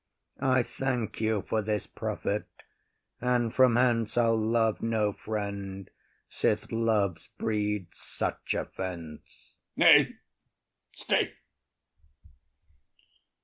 I thank you for this profit, and from hence I’ll love no friend, sith love breeds such offence. OTHELLO. Nay, stay.